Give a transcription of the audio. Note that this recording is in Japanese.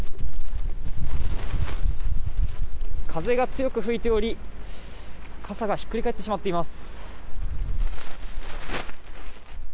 風が強く吹いており、傘がひっくり返ってしまっています。